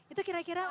itu kira kira ada gak